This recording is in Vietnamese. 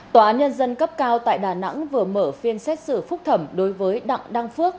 tòa án nhân dân cấp cao tại đà nẵng vừa mở phiên xét xử phúc thẩm đối với đặng đăng phước